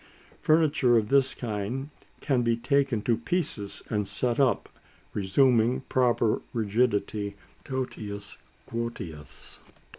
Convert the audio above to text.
Furniture of this kind can be taken to pieces and set up, resuming proper rigidity toties quoties.